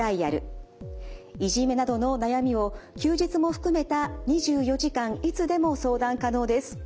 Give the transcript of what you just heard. いじめなどの悩みを休日も含めた２４時間いつでも相談可能です。